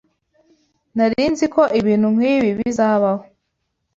Nari nzi ko ibintu nkibi bizabaho.